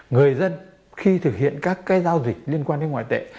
người dân khi thực hiện các giao dịch liên quan đến ngoại tệ